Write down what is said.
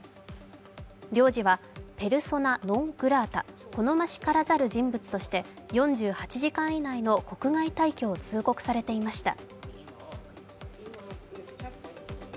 領事は、ペルソナ・ノン・グラータ＝好ましからざる人物として、４８時間以内の国外退去を通告されていました。